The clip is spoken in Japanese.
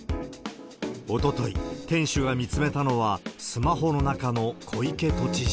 おととい、店主が見つめたのは、スマホの中の小池都知事。